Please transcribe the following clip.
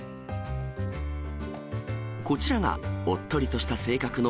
こちらが、おっとりとした性格の